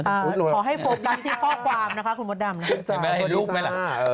อ้าวขอให้พบได้สิข้อความนะคะคุณดำนะครับ